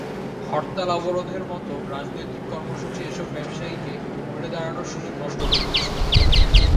হরতাল-অবরোধের মতো রাজনৈতিক কর্মসূচি এসব ব্যবসায়ীকে ঘুরে দাঁড়ানোর সুযোগ নষ্ট করে দিচ্ছে।